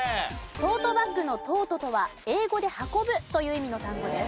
トートバッグの「トート」とは英語で「運ぶ」という意味の単語です。